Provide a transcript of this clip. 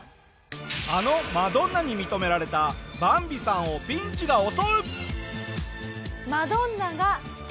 あのマドンナに認められたバンビさんをピンチが襲う！